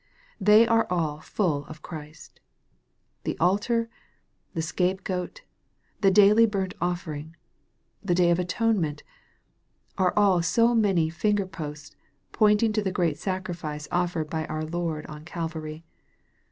They are all full of Christ. The altar the scape goat the daily burnt offering the day of atonement, are all so many finger posts point ing to the g :eat sacrifice offered by our Lord on Calvary.